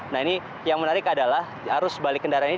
nah ini yang menarik adalah arus balik kendaraan ini